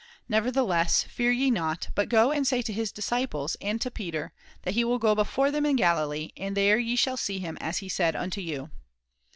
Nevertheless, fear ye not, but go and say to his disciples, and to Peter, that he will go before them in Galilee, and there ye shall see him as he said unto you.'